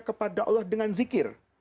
kepada allah dengan zikir